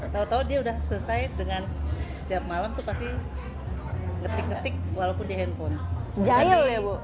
tahu tahu dia sudah selesai dengan setiap malam itu pasti ngetik ngetik walaupun di handphone